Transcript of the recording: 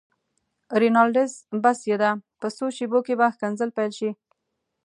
رینالډي: بس یې ده، په څو شېبو کې به ښکنځل پيل شي.